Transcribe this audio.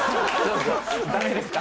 ダメですか？